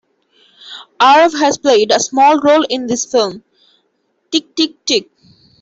Aarav has played a small role in his film, "Tik Tik Tik"".